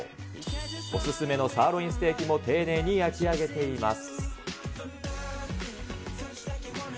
お勧めのサーロインステーキも丁寧に焼き上げています。